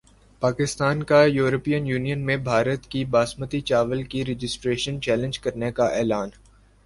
پاکستان کا European Union میں بھارت کی باسمتی چاول کی رجسٹریشن چیلنج کرنیکا اعلان